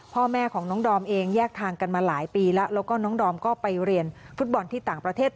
พ่อแม่ของน้องดอมเองแยกทางกันมาหลายปีแล้วแล้วก็น้องดอมก็ไปเรียนฟุตบอลที่ต่างประเทศ